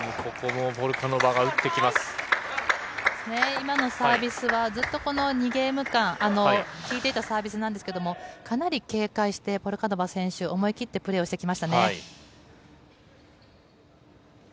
今のサービスは、ずっとこの２ゲーム間、効いていたサービスなんですけれども、かなり警戒して、ポルカノバ選手、思い切ってプレーをしてきましたね。